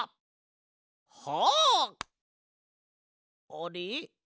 あれ？